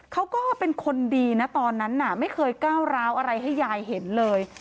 เขาก็เป็นคนดีนะตอนนั้นน่ะไม่เคยก้าวร้าวอะไรให้ยายเห็นเลย